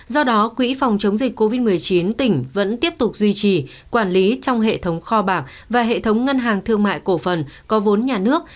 do đó quỹ phòng chống dịch covid một mươi chín tỉnh vẫn tiếp tục duy trì quản lý trong hệ thống kho bạc và hệ thống ngân hàng thương mại cổ phần có vốn nhà nước